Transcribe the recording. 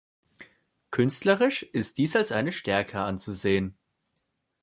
Künstlerisch ist dies als eine Stärke anzusehen.